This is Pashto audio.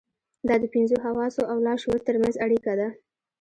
دا د پنځو حواسو او لاشعور ترمنځ اړيکه ده.